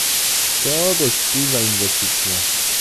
To dość duża inwestycja